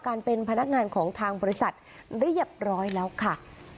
การเป็นพนักงานของทางบริษัทเรียบร้อยแล้วค่ะ